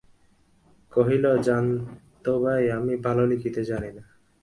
কহিল, জান তো ভাই, আমি ভালো লিখিতে জানি না।